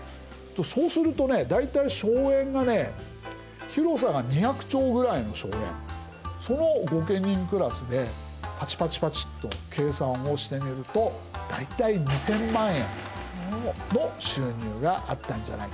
そうするとね大体荘園がね広さが二百町ぐらいの荘園その御家人クラスでパチパチパチと計算をしてみると大体２千万円の収入があったんじゃないかな。